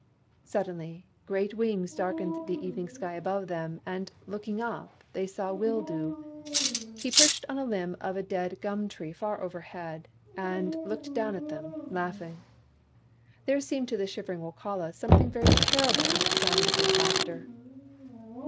Suddenly, great wings darkened the evening sky above them, and, looking up, they saw Wildoo. He perched on a limb of a dead gum tree far overhead, and looked down at them, laughing. There seemed, to the shivering Wokala, something very terrible in the sound of his laughter.